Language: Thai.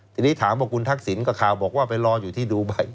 ทีนี้ถามว่าคุณทักษิณกับข่าวบอกว่าไปรออยู่ที่ดูไบ